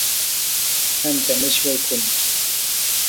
นั่นจะไม่ช่วยคุณ